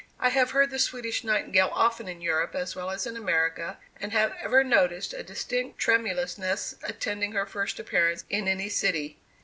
I have heard the Swedish Nightingale often in Europe as well as in America and have ever noticed a distinct tremulousness attending her first appearance in any city.